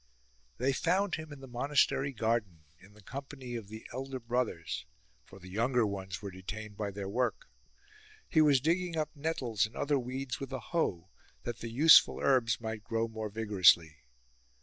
They found him in the monastery garden, in the PIPPIN'S ADVICE companjr of the elder brothers, for the younger ones were detained by their work. He was digging up nettles and other weeds with a hoe, that the useful herbs might grow more vigorously.